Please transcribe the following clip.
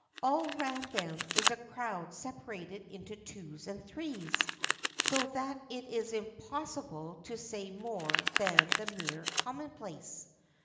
All round them is a crowd separated into twos and threes, so that it is impossible to say more than the mere commonplace.